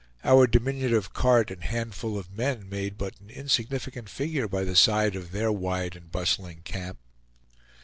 Our diminutive cart and handful of men made but an insignificant figure by the side of their wide and bustling camp.